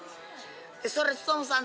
それ努さん